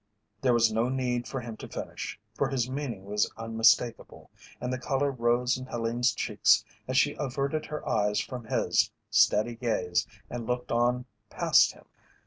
There was no need for him to finish, for his meaning was unmistakable, and the colour rose in Helene's cheeks as she averted her eyes from his steady gaze and looked on past him.